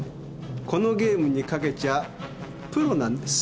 このゲームにかけちゃプロなんです。